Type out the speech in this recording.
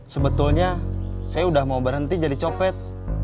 sebetulnya saya udah mau berhenti jadi copet